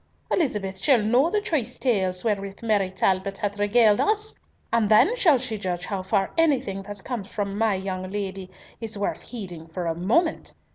Elizabeth shall know the choice tales wherewith Mary Talbot hath regaled us, and then shall she judge how far anything that comes from my young lady is worth heeding for a moment.